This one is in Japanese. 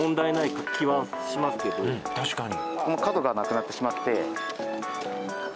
確かに。